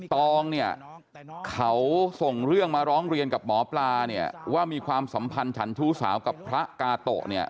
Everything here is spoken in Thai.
ตองเนี่ยเขาส่งเรื่องมาร้องเรียนกับหมอปลาเนี่ยว่ามีความสัมพันธ์ฉันชู้สาวกับพระกาโตะเนี่ย